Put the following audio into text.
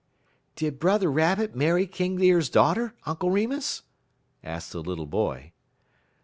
"Did Brother Rabbit marry King Deer's daughter, Uncle Remus?" asked the little boy.